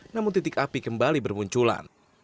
namun titik api kembali bermunculan